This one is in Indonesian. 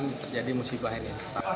terjadi musibah ini